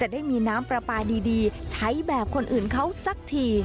สวัสดีครับ